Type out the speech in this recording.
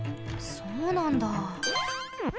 そうなんだ。